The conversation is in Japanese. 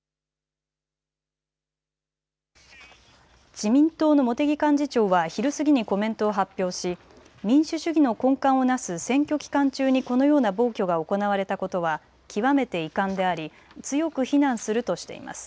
自民党の茂木幹事長は昼過ぎにコメントを発表し民主主義の根幹をなす選挙期間中にこのような暴挙が行われたことは極めて遺憾であり強く非難するとしています。